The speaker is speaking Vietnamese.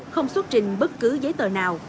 không xuất trình bất cứ giấy tờ nào